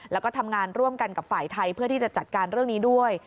แล้วก็ทำงานร่วมกันกับฝ่ายไทยเพื่อที่จะจัดการเรื่องนี้ด้วย